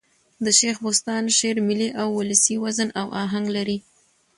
د شېخ بُستان شعر ملي اولسي وزن او آهنګ لري.